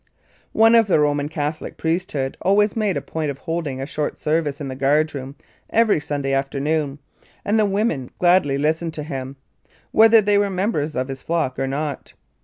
One of the Roman Catholic priesthood always made a point of holding a short service in the guard room every Sunday afternoon, and the women gladly listened to him, whether they were members of his flock or not.